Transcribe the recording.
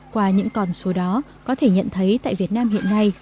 qua những con số đó có thể nhận thấy tại việt nam hiện nay